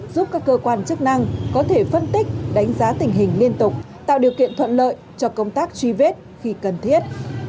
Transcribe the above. giúp các cơ quan chức năng có thể phân tích đánh giá tình hình liên tục tạo điều kiện thuận lợi cho công tác truy vết khi cần thiết